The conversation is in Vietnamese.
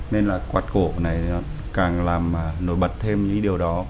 nên là quạt cổ này càng làm nổi bật thêm những điều đó